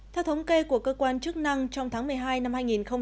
theo thống kê của cơ quan chức năng trong tháng một mươi hai năm hai nghìn hai mươi